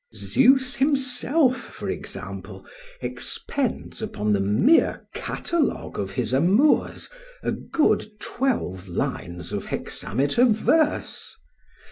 Zeus himself, for example, expends upon the mere catalogue of his amours a good twelve lines of hexameter verse.